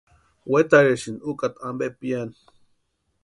Wetarhisïnti úkata ampe piani.